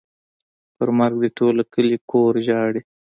پر مرګ دې ټوله کلي کور ژاړي.